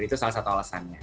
itu salah satu alasannya